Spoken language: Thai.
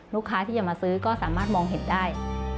ลูกค้าที่จะมาซื้อก็สามารถมองเห็นได้